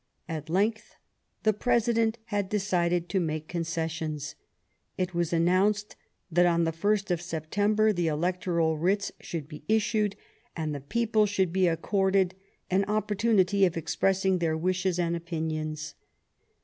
At length the President had decided to make concessions. It was announced that on the first of September the electoral writs should be issued and the people should be accorded an opportunity of expressing their wishes and opinions.